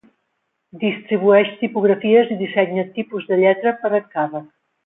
Distribueix tipografies i dissenya tipus de lletra per encàrrec.